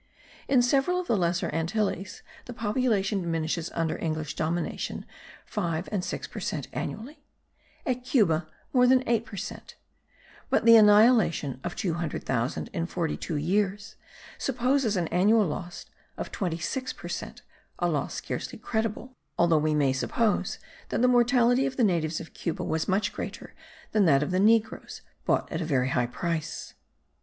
In several of the Lesser Antilles the population diminishes under English domination five and six per cent annually; at Cuba, more than eight per cent; but the annihilation of 200,000 in forty two years supposes an annual loss of twenty six per cent, a loss scarcely credible, although we may suppose that the mortality of the natives of Cuba was much greater than that of negroes bought at a very high price.